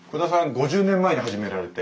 ５０年前に始められて。